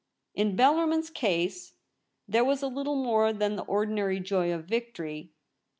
In Bellarmin's case there was a little more than the ordinary joy of victory.